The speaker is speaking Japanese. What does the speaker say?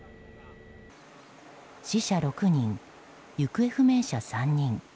死者６人、行方不明者３人。